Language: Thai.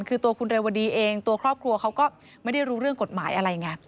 คือตัวคุณเรวดีเองตัวครอบครัวเขาก็ไม่ได้รู้เรื่องกฎหมายอะไรไง